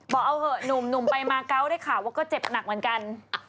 บอกเอาเถอะหนุ่มไปมาเกาะได้ข่าวว่าก็เจ็บหนักเหมือนกัน